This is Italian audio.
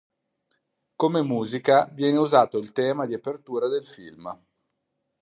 Come musica viene usato il tema di apertura del film.